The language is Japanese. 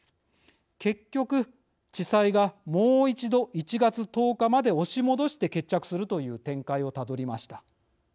結局地裁がもう一度１月１０日まで押し戻して決着するという展開をたどりました。